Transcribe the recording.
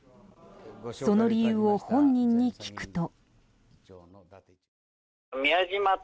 その理由を本人に聞くと。